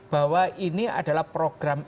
bahwa ini adalah program